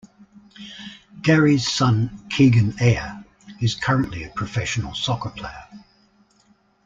Garry's son Keegan Ayre is currently a professional soccer player.